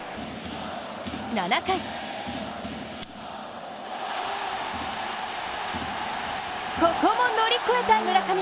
７回ここも乗り越えた村上。